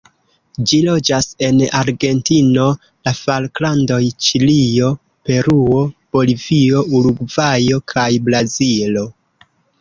Ĝi loĝas en Argentino, la Falklandoj, Ĉilio, Peruo, Bolivio, Urugvajo, kaj Brazilo.